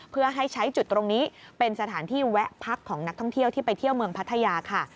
เพื่อให้ใช้จุดตรงนี้เป็นสถานที่แวะพักของนักท่องเที่ยวที่ไปเที่ยวเมืองพัทยาค่ะ